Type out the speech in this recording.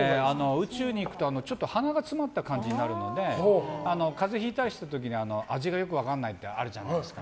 宇宙に行くと鼻が詰まった感じになるので風邪ひいたりした時に味がよく分からないってあるじゃないですか。